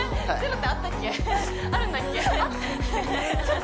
零ってあったっけあるんだっけ？